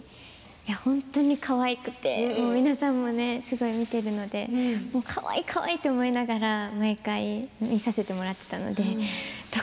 本当にかわいくて皆さんもすごい見ているのでかわいいかわいいと思いながら毎回見させてもらっていました。